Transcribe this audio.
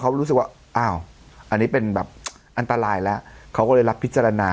เขารู้สึกว่าอ้าวอันนี้เป็นแบบอันตรายแล้วเขาก็เลยรับพิจารณา